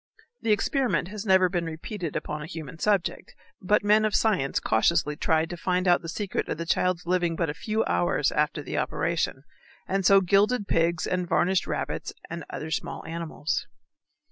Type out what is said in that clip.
The experiment has never been repeated upon a human subject, but men of science cautiously tried to find out the secret of the child's living but a few hours after the operation, and so gilded pigs and varnished rabbits and other small animals.